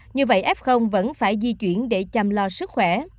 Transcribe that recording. như vậy f vẫn phải di chuyển để chăm lo sức khỏe